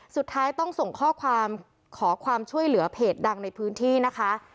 สุดท้ายต้องส่งข้อความขอความช่วยเหลือเพจดังในพื้นที่นะคะ